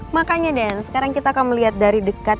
makanya den sekarang kita akan melihat dari dekat